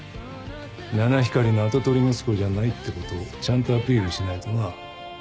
七光りの跡取り息子じゃないってことをちゃんとアピールしないとな。